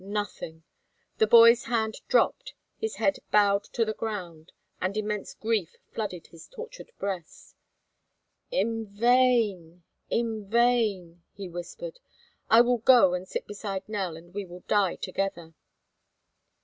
Nothing! The boy's hand dropped, his head bowed to the ground, and immense grief flooded his tortured breast. "In vain! In vain!" he whispered. "I will go and sit beside Nell and we will die together."